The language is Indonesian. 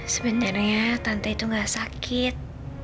sebenarnya tante itu gak sakit